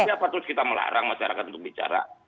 tapi apa terus kita melarang masyarakat untuk bicara